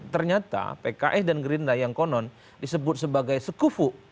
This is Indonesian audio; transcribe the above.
ternyata pks dan gerindra yang konon disebut sebagai sekufu